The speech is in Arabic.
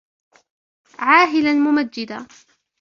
عاهــــــــــــــــلا ممجــــــــــــــــدا